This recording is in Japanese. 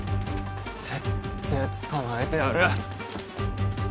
ぜってぇ捕まえてやる！